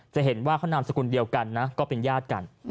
จะเห็นว่าเขานามสกุลเดียวกันนะก็เป็นญาติกัน